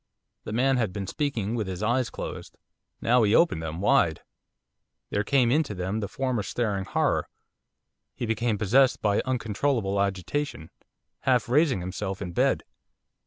The man had been speaking with his eyes closed. Now he opened them, wide; there came into them the former staring horror. He became possessed by uncontrollable agitation, half raising himself in bed.